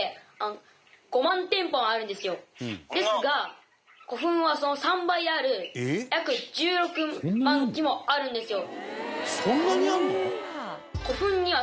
そんな古墳はその３倍ある約１６万基もあるんですよ。